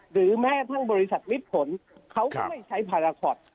หรือแม้ทั้งบริษัทมิดผลเขาก็ไม่ใช้พาราคอต